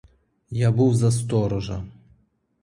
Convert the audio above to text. Я був за сторожа.